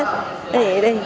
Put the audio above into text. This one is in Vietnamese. thế vậy đi